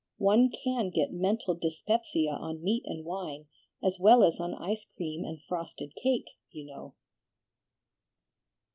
One can get mental dyspepsia on meat and wine as well as on ice cream and frosted cake, you know."